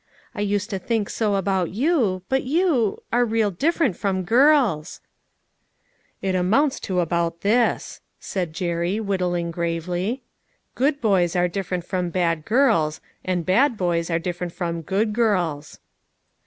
I used to think so about you, but you are real different from girls !"" It amounts to about this," said Jerry, whit tling gravely. " Good boys are different from bad girls, and bad boys are different from good girls."